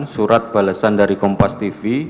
surat balasan dari kompas tv